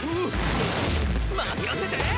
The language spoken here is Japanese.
任せて！